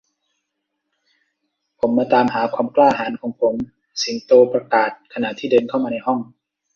ผมมาตามหาความกล้าหาญของผม สิงโตประกาศขณะที่เดินเข้ามาในห้อง